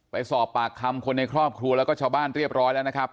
ไปสอบปากคำคนในครอบครัวแล้วก็ชาวบ้านเรียบร้อยแล้วนะครับ